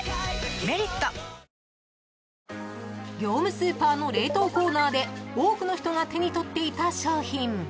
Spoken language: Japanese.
「メリット」［業務スーパーの冷凍コーナーで多くの人が手に取っていた商品］